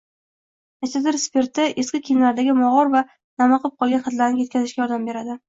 Nashatir spirti eski kiyimlardagi mog‘or va namiqib qolgan hidlarni ketkazishga yordam beradi